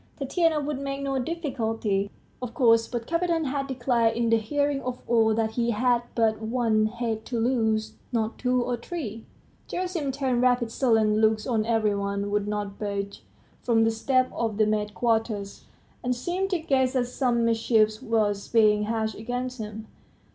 Tatiana would make no difficulty, of course; but Kapiton had declared in the hearing of all that he had but one head to lose, not two or three. .. Gerasim turned rapid sullen looks on every one, would not budge from the steps of the maids' quarters, and seemed to guess that some mischief was being hatched against him.